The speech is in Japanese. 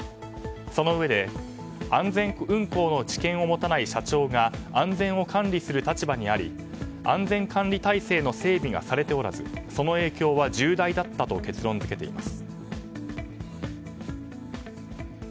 そのうえで安全運航の知見を持たない社長が安全を管理する立場にあり安全管理体制の整備がされておらずその影響は重大だったと結論付けています。